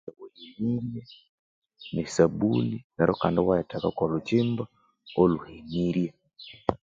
Esabuni nerikandi iwayithekako olhukimba olhuhenirye